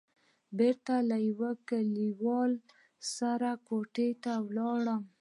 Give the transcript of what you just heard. بېرته له يوه کليوال سره کوټې ته ولاړم.